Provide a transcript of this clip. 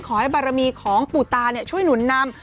ขอให้บารมีของปู่ตาช่วยหนุนนำ